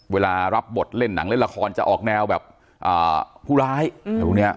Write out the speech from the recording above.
เวลารับบทเล่นหนังเล่นละครจะออกแนวแบบผู้ร้าย